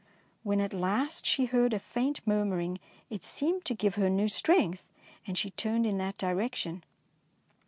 When at last she heard a faint murmuring, it seemed to give her new strength, and she turned in that direction.